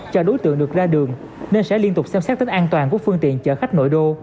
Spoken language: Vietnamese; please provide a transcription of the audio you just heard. cho đối tượng được ra đường nên sẽ liên tục xem xét tính an toàn của phương tiện chở khách nội đô